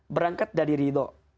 berangkat dari ridho